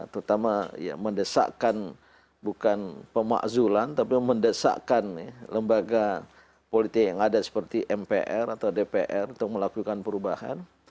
terutama mendesakkan bukan pemakzulan tapi mendesakkan lembaga politik yang ada seperti mpr atau dpr untuk melakukan perubahan